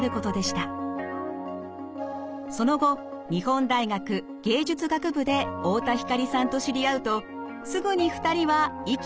その後日本大学芸術学部で太田光さんと知り合うとすぐに２人は意気投合。